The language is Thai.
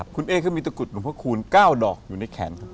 คุณเอ๊เขามีตะกุดหลวงพระคูณ๙ดอกอยู่ในแขนผม